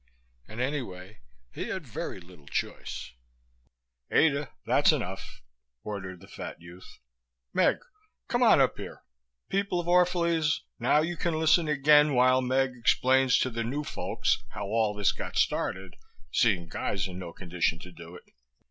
And anyway he had very little choice.... "Ada, that's enough," ordered the fat youth. "Meg, come on up here. People of Orphalese, now you can listen again while Meg explains to the new folks how all this got started, seeing Guy's in no condition to do it."